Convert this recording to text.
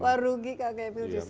wah rugi kak